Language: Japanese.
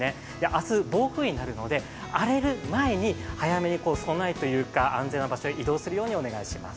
明日、暴風になるので荒れる前に早めに備えというか安全な場所に移動するようにお願いします。